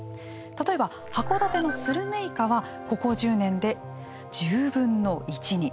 例えば函館のスルメイカはここ１０年で１０分の１に。